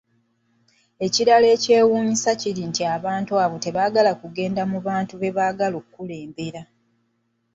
Ekirala ekyewuunyisa kiri nti abantu abo tebagala kugenda mu bantu bebaagala okukulembera.